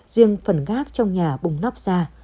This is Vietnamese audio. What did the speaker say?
riêng phần gác trong nhà bùng nắp ra